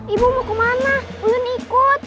ibu mau kemana belum ikut